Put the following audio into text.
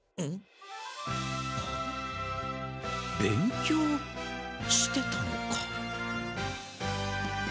勉強してたのか？